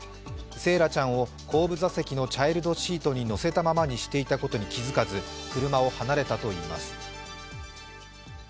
惺愛ちゃんを後部座席のチャイルドシートに乗せたままにしていたことに気づかず車を離れたといいます。